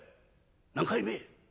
「何回目？」。